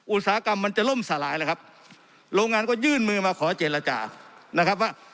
อุตสาหกรรมมันจะล่มสลายแล้วครับโรงงานก็ยื่นมือมาขอเจรจานะครับว่า